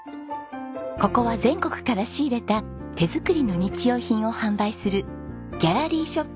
ここは全国から仕入れた手作りの日用品を販売するギャラリーショップ